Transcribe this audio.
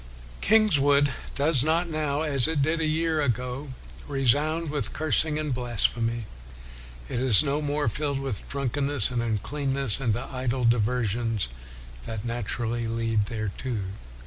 " Kingswood does not now, as it did a year ago, resound with cursing and blasphemy. It is no more filled with drunkenness and uncleanness, and the idle diversions that naturally lead thereto.